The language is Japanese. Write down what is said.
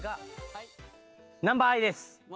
ナンバーアイです。